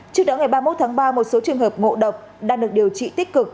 trước đó ngày ba mươi một tháng ba một số trường hợp ngộ độc đang được điều trị tích cực